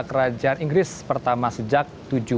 kerajaan inggris pertama sejak seribu tujuh ratus enam puluh